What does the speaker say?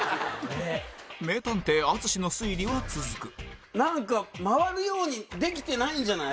名探偵淳の推理は続くなんか回るようにできてないんじゃない？